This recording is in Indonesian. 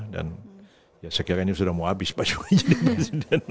dan sekiranya ini sudah mau habis pak jokowi